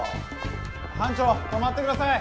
班長止まってください！